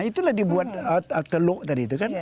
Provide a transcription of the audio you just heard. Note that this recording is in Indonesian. itulah dibuat teluk tadi itu kan